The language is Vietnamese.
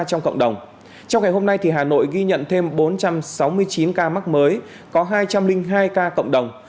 trong ngày hôm nay hà nội ghi nhận thêm bốn trăm sáu mươi chín ca mắc mới có hai trăm linh hai ca cộng đồng